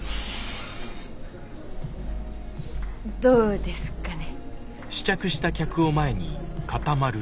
どうですかね？